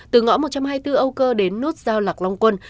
từ ngõ một trăm hai mươi bốn âu cơ đến nút giao lạc long quân